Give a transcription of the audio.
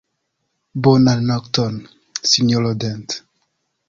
Bonan nokton, sinjoro Dent.